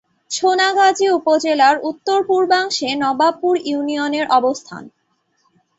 সোনাগাজী উপজেলার উত্তর-পূর্বাংশে নবাবপুর ইউনিয়নের অবস্থান।